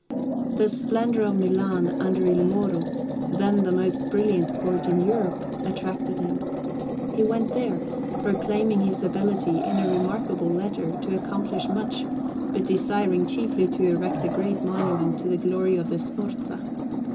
The splendour of Milan under Il Moro, then the most brilliant court in Europe, attracted him. He went there, proclaiming his ability, in a remarkable letter, to accomplish much, but desiring chiefly to erect a great monument to the glory of the Sforza.